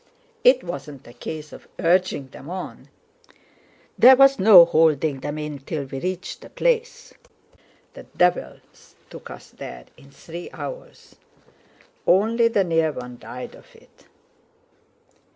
It wasn't a case of urging them on, there was no holding them in till we reached the place. The devils took us there in three hours! Only the near one died of it."